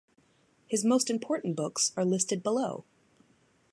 His most important books are listed below.